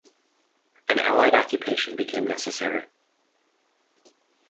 An Allied Occupation became necessary.